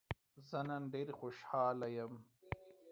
زه نن ډېر خوشحاله يم.